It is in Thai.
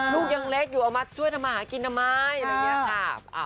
ลูกยังเล็กอยู่เอามาช่วยทำมาหากินทำไม